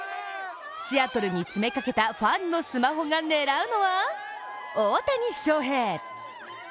シアトルに詰めかけたファンのスマホが狙うのは大谷翔平。